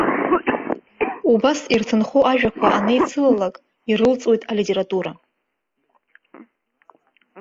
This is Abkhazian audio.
Убас, ирҭынхо ажәақәа анеицылалак, ирылҵуеит алитература.